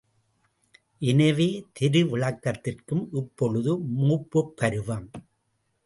எனவே, தெரு விளக்கிற்கும் இப்பொழுது மூப்புப் பருவம்.